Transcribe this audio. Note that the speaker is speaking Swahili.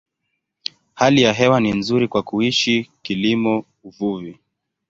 Hali ya hewa ni nzuri kwa kuishi, kilimo, uvuvi.